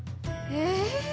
え。